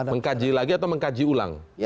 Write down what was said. mengkaji lagi atau mengkaji ulang